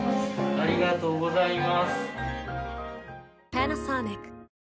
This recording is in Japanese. ありがとうございます。